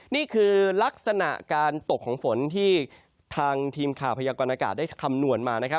นี่คือลักษณะการตกของฝนที่ทางทีมข่าวพยากรณากาศได้คำนวณมา